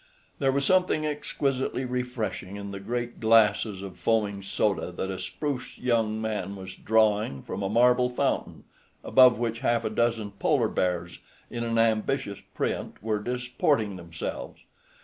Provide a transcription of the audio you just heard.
There was something exquisitely refreshing in the great glasses of foaming soda that a spruce young man was drawing from a marble fountain, above which half a dozen polar bears in an ambitious print were disporting themselves.